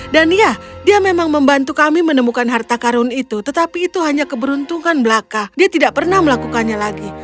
dan ya dia memang membantu kami menemukan harta karun itu tetapi itu hanya keberuntungan belaka dia tidak pernah melakukannya lagi